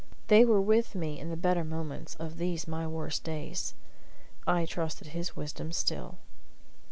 They were with me in the better moments of these my worst days. I trusted His wisdom still.